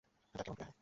তা কেমন করে হয়?